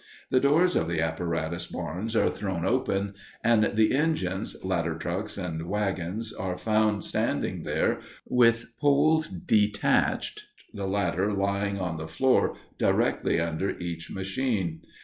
The doors of the apparatus barns are thrown open, and the engines, ladder trucks, and wagons are found standing there with poles detached, the latter lying on the floor directly under each machine.